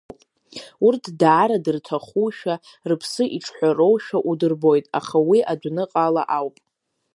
Урҭ даара дырҭахушәа, рыԥсы иҿҳәароушәа удырбоит, аха уи адәныҟала ауп.